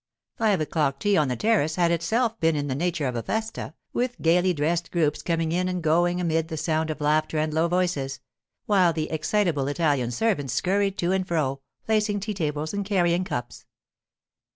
Five o'clock tea on the terrace had in itself been in the nature of a festa, with gaily dressed groups coming and going amid the sound of laughter and low voices; while the excitable Italian servants scurried to and fro, placing tea tables and carrying cups.